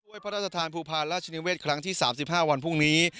ไว้พระทศาสตร์ภูภาและชิงวิทรครั้งที่๓๕วันพรุ่งนี้